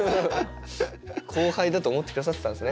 後輩だと思って下さってたんですね。